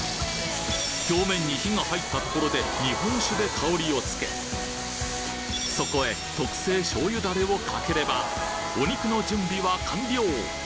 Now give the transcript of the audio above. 表面に火が入ったところで日本酒で香りを付けそこへ特製醤油ダレをかければお肉の準備は完了！